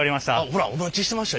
ほら「お待ちしてました」